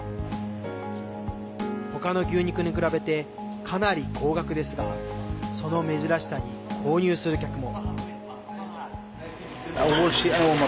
他の牛肉に比べてかなり高額ですがその珍しさに購入する客も。